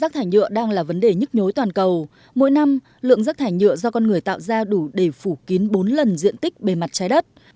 rác thải nhựa đang là vấn đề nhức nhối toàn cầu mỗi năm lượng rác thải nhựa do con người tạo ra đủ để phủ kín bốn lần diện tích bề mặt trái đất